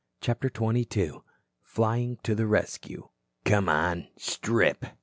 CHAPTER XXII FLYING TO THE RESCUE "Come on. Strip."